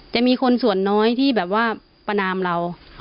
จะมีคนส่วนน้อยที่แบบว่าประนามเรา